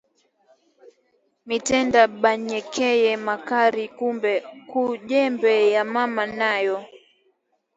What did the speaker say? Mitenda banyekeye makari ku jembe ya mama nayo